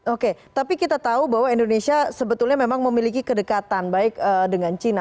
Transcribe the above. oke tapi kita tahu bahwa indonesia sebetulnya memang memiliki kedekatan baik dengan china